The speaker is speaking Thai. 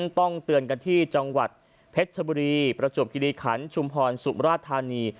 ต้องเตือนกันที่จังหวัดเพชรชบุรีประจวบคิริขันชุมพรสุมราชธานี